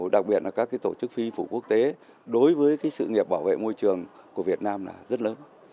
đặc biệt là các tổ chức phi phụ quốc tế đối với sự nghiệp bảo vệ môi trường của việt nam là rất lớn